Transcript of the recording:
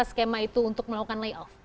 skema itu untuk melakukan layoff